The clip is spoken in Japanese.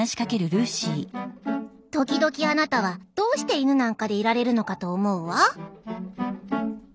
「時々あなたはどうして犬なんかでいられるのかと思うわ」。